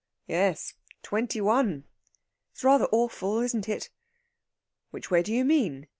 "Yes; twenty one." "It's rather awful, isn't it?" "Which way do you mean?